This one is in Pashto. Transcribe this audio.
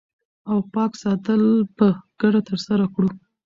او پاک ساتل په ګډه ترسره کړو